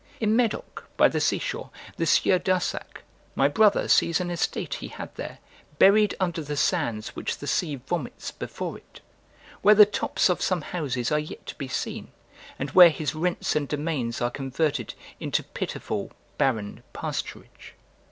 In Medoc, by the seashore, the Sieur d'Arsac, my brother, sees an estate he had there, buried under the sands which the sea vomits before it: where the tops of some houses are yet to be seen, and where his rents and domains are converted into pitiful barren pasturage.